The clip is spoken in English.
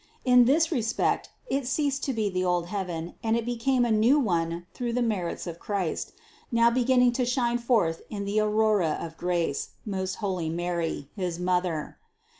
In this respect it ceased to be the old heaven and it became a new one through the merits of Christ, now beginning to shine forth in the aurora of grace, most holy Mary, his Mother.